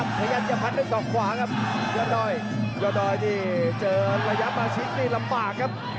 พยายามจะพันด้วยส่องขวาครับเค้นดำเค้นดำนี่เจอระยะมาชิงนี่ลำปากครับ